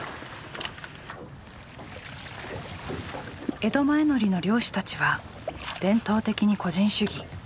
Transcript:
江戸前海苔の漁師たちは伝統的に個人主義。